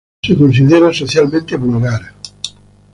Se considera socialmente vulgar.